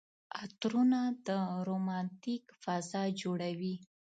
عطرونه د رومانتيک فضا جوړوي.